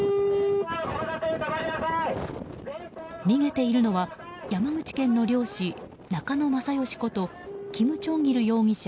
逃げているのは山口県の漁師中野政吉ことキム・チョンギル容疑者